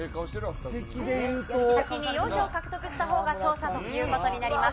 先に４票獲得したほうが勝者ということになります。